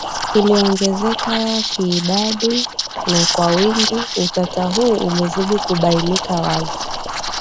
iliongezeka kiidadi na kwa wingi Utata huu umezidi kubainika wazi